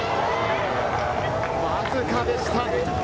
わずかでした。